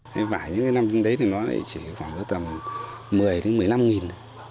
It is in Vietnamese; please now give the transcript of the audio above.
cây vải những năm trước đấy thì nó chỉ khoảng tầm một mươi đến một mươi năm nghìn